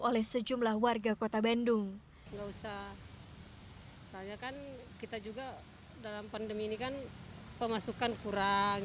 oleh sejumlah warga kota bandung nggak usah soalnya kan kita juga dalam pandemi ini kan pemasukan kurang